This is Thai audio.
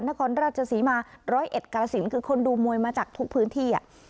นครราชศรีมาร้อยเอ็ดกาลสินคือคนดูมวยมาจากทุกพื้นที่